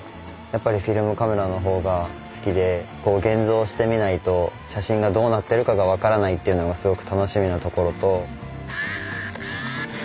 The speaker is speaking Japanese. やっぱりフィルムカメラの方が好きでこう現像してみないと写真がどうなっているかが分からないっていうのがすごく楽しみなところと。